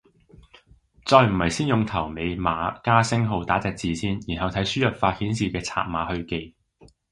再唔係先用頭尾碼加星號打隻字先，然後睇輸入法顯示嘅拆碼去記